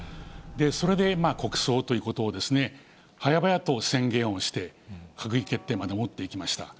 それで国葬ということをはやばやと宣言をして、閣議決定までもっていきました。